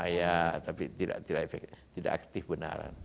ya tapi tidak aktif benaran